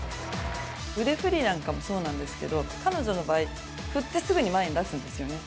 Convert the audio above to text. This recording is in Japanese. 腕振りなんかもそうなんですけど、彼女の場合、振ってすぐに前に出すんですよね。